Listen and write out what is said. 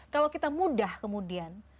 kalau kita mudah kemudian